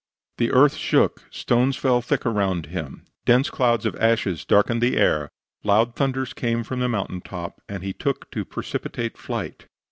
The earth shook; stones fell thick around him; dense clouds of ashes darkened the air; loud thunders came from the mountain top, and he took to precipitate flight.